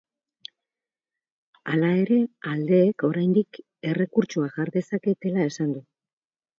Hala ere, aldeek oraindik errekurtsoa jar dezaketela esan du.